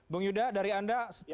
bung yuda dari anda